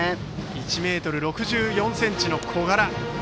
１ｍ６４ｃｍの小柄。